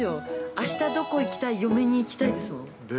あしたどこ行きたい嫁に行きたいですもん。